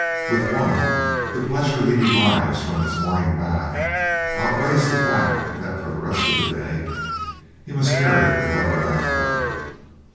With one, the pleasure he derives from his morning bath outweighs the fact that for the rest of the day he must carry a rubber bathtub.